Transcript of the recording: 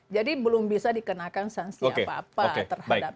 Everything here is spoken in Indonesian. jadi belum bisa dikenakan saksi apa apa terhadap